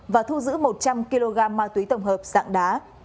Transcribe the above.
và thu giữ một trăm linh kg ma túy tổng hợp dạng đá